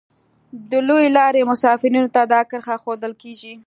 د لویې لارې مسافرینو ته دا کرښه ښودل کیږي